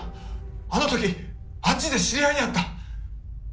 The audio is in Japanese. あの時あっちで知り合いに会った。